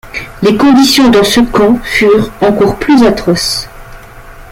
Les conditions dans ce camp fûrent encore plus atroces.